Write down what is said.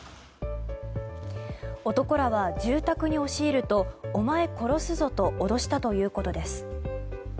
男らは住宅に押し入るとお前殺すぞと脅したということです。